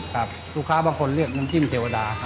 ครับลูกค้าบางคนเลือกน้ำจิ้มเทวดาค่ะ